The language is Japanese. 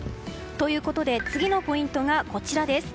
ということで次のポイントがこちら。